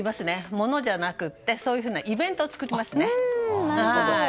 物じゃなくて、そういうふうなイベントを作ります。